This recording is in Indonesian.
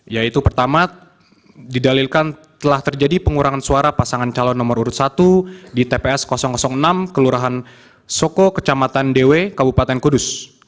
yaitu pertama didalilkan telah terjadi pengurangan suara pasangan calon nomor urut satu di tps enam kelurahan soko kecamatan dewi kabupaten kudus